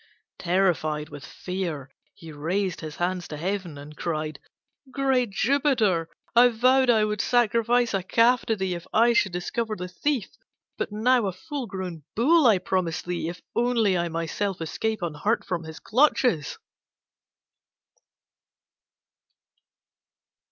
Terrified with fear, he raised his hands to heaven and cried, "Great Jupiter, I vowed I would sacrifice a calf to thee if I should discover the thief: but now a full grown Bull I promise thee if only I myself escape unhurt from his clutches."